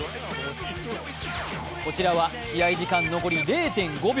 こちらは試合時間残り０．５秒。